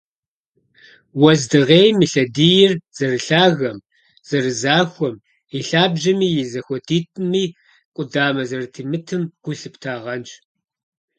Уэздыгъейм и лъэдийр зэрылъагэм, зэрызахуэм, и лъабжьэми и зэхуэдитӀми къудамэ зэрытемытым гу лъыптагъэнщ.